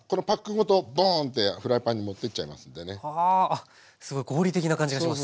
あっすごい合理的な感じがします。